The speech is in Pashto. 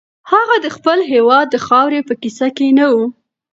هغه د خپل هېواد د خاورې په کیسه کې نه و.